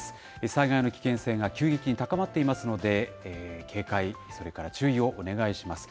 災害の危険性が急激に高まっていますので、警戒、それから注意をお願いします。